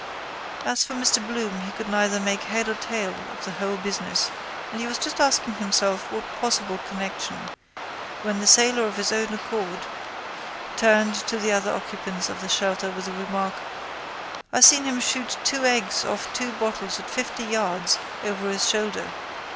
As for Mr Bloom he could neither make head or tail of the whole business and he was just asking himself what possible connection when the sailor of his own accord turned to the other occupants of the shelter with the remark: —I seen him shoot two eggs off two bottles at fifty yards over his shoulder.